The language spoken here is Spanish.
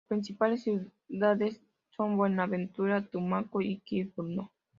Las principales ciudades son Buenaventura, Tumaco y Quibdó.